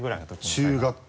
中学校。